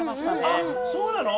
あっそうなの！？